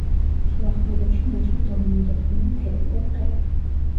შუახმელეთში მაშინ დომინირებდნენ მთები და ტყეები.